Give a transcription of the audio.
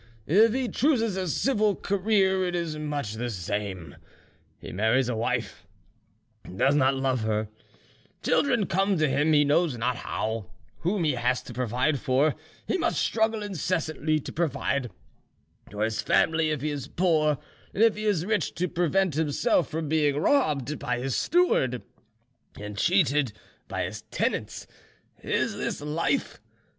If he chooses a civil career, it is much the same. He marries a wife, and does not love her; children come to him he knows not how, whom he has to provide for; he must struggle incessantly to provide for his family if he is poor, and if he is rich to prevent himself being robbed by his steward and cheated by his tenants. Is this life?